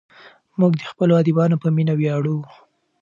موږ د خپلو ادیبانو په مینه ویاړو.